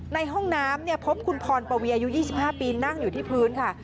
ในห้องน้ำพบคุณพรปวีอายุ๒๕ปีนั่งอยู่ที่พื้นค่ะ